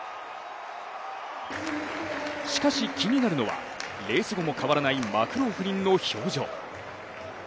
しかし、気になるのはレース後も変わらないマクローフリンの表情。